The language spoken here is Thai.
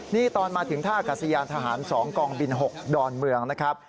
นี่ตอนมาถึงท่ากัศยานทหาร๒กองบิน๖ดอนเมืองนะครับ